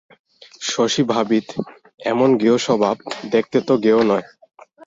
শশী ভাবিদ এমন গেঁয়ো স্বভাব, দেখতে তো গেঁয়ো নয়!